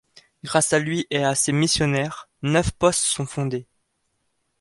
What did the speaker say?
Grâce à lui et à ses missionnaires, neuf postes sont fondés.